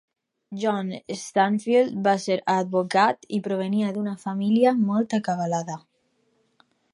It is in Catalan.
John Stansfield va ser advocat i provenia d'una família molt acabalada.